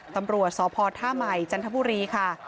ตำรวจสพท่าใหม่จันทบุรีค่ะ